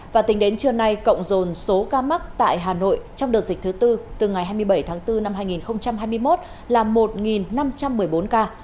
và tính đến trưa nay cộng dồn số ca mắc tại hà nội trong đợt dịch thứ tư từ ngày hai mươi bảy tháng bốn năm hai nghìn hai mươi một là một năm trăm một mươi bốn ca